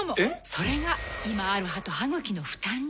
それが今ある歯と歯ぐきの負担に。